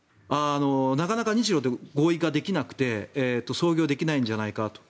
なかなか日ロで合意ができなくて操業できないんじゃないかと。